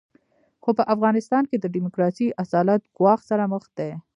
خو په افغانستان کې د ډیموکراسۍ اصالت ګواښ سره مخ دی.